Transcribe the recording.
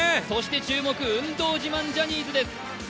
そして運動自慢ジャニーズです。